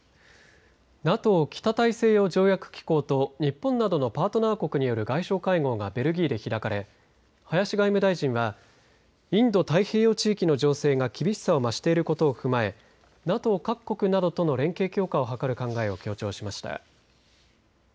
ＮＡＴＯ、北大西洋条約機構と日本などのパートナー国による外相会合がベルギーで開かれ林外務大臣はインド太平洋地域の情勢が厳しさを増していることを踏まえＮＡＴＯ各国などとの連携強化を図る考えを強調しました。